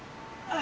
あ！